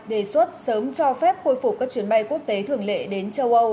đề xuất sớm cho phép khôi phục các chuyến bay quốc tế thường lệ đến châu âu